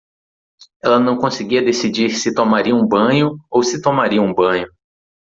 Ela não conseguia decidir se tomaria um banho ou se tomaria um banho.